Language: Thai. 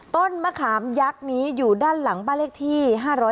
ต้นมะขามยักษ์นี้อยู่ด้านหลังบ้านเลขที่๕๗